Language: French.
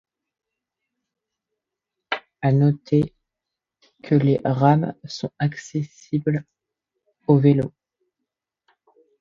À noter que les rames sont accessibles aux vélos.